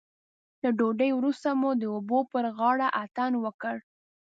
له ډوډۍ وروسته مو د اوبو پر غاړه اتڼ وکړ.